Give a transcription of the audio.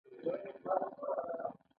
څلورم د لګښتونو کمول او کنټرولول دي.